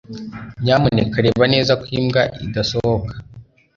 Nyamuneka reba neza ko imbwa idasohoka